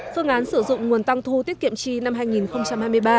phương án sử dụng nguồn tăng thu tiết kiệm chi năm hai nghìn hai mươi ba